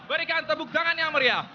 berikan tepuk tangan yang meriah